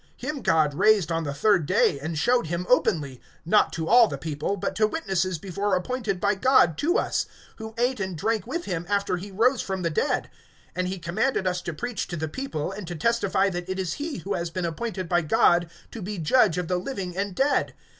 (40)Him God raised on the third day, and showed him openly; (41)not to all the people, but to witnesses before appointed by God, to us, who ate and drank with him after he rose from the dead. (42)And he commanded us to preach to the people, and to testify that it is he who has been appointed by God to be Judge of the living and dead.